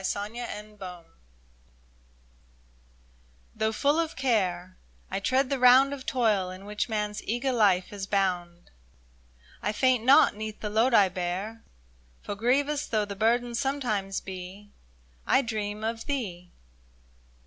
69 MY DREAM 'THROUGH full of care I tread the round Of toil in which man's eager life is bound, I faint not 'neath the load I bear ; For grievous though the burden sometimes be, I dream of thee